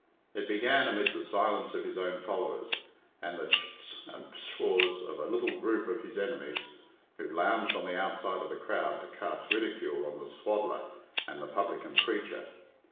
It began amid the silence of his own followers, and the tschts and pshaws of a little group of his enemies, who lounged on the outside of the crowd to cast ridicule on the "swaddler" and the "publican preacher."